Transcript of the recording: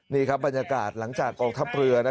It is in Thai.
นี่ครับบรรยากาศหลังจากกองทัพเรือ